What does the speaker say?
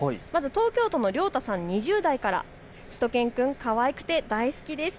東京都りょうたさん２０代からしゅと犬くん、かわいくて大好きです。